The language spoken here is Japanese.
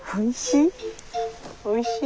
おいしい？